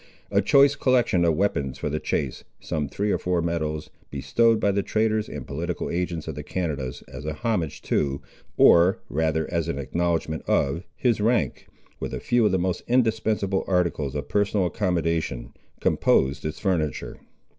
A choice collection of weapons for the chase, some three or four medals, bestowed by the traders and political agents of the Canadas as a homage to, or rather as an acknowledgment of, his rank, with a few of the most indispensable articles of personal accommodation, composed its furniture.